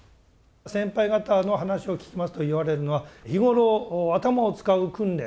先輩方の話を聞きますと言われるのは日頃頭を使う訓練